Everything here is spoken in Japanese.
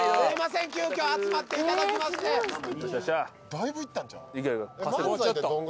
だいぶ行ったんちゃう？